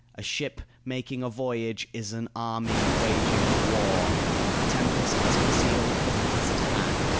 A ship making a voyage is an army waging war. The tempest is concealed, but it is at hand.